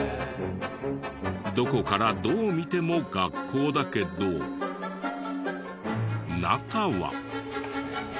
どこからどう見ても学校だけど中は。